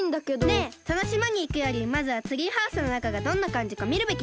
ねえそのしまにいくよりまずはツリーハウスのなかがどんなかんじかみるべきじゃない？